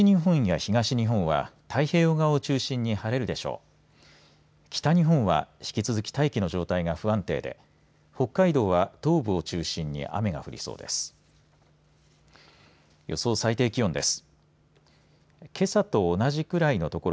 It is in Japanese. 北日本は引き続き大気の状態が不安定で北海道は東部を中心に雨が降りそうです。